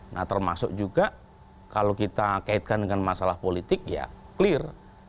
nah termasuk juga kalau kita kaitkan dengan masalah politik ya clear